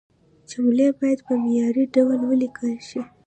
جملې باید په معياري ډول ولیکل شي.